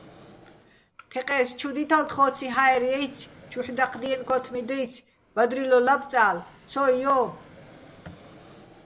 თეყე́ს: ჩუ დითალ თხოციჼ, ჰაერ ჲაჲცი̆, ჩუჰ̦ დაჴდიენო̆ ქო́თმი დაჲცი̆, ბადრილო ლაბწალ, - ცო, ჲო!